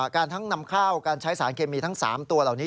ทั้งนำข้าวการใช้สารเคมีทั้ง๓ตัวเหล่านี้